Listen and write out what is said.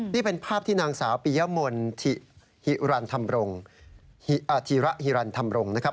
นี่เป็นภาพที่นางสาวปิยมนทิระฮิรันธรรมรงค์นะครับ